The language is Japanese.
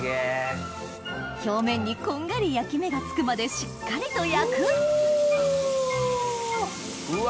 表面にこんがり焼き目がつくまでしっかりと焼くうわ。